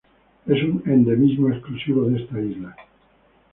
Es un endemismo exclusivo de esta isla.